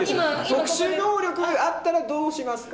特殊能力あったらどうしますか？